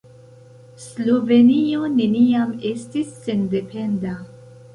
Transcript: Slovenio neniam estis sendependa.